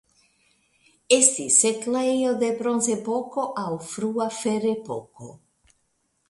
Estis setlejo de Bronzepoko aŭ frua Ferepoko.